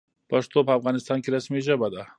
پښتو په افغانستان کې رسمي ژبه ده.